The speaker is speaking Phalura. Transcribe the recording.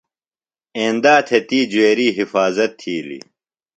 ایندا تھےۡ تی جُویری حفاظت تِھیلیۡ۔